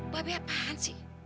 bapak apaan sih